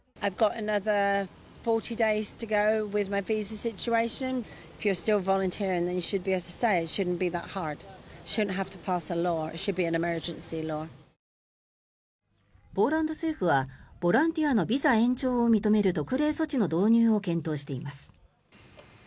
ポーランド政府はボランティアのビザ延長を認める特例措置の導入を検討しています。